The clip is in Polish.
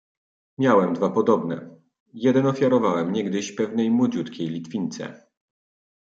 "Miałem dwa podobne, jeden ofiarowałem niegdyś pewnej młodziutkiej Litwince."